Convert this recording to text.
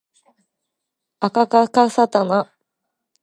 あかかかさたな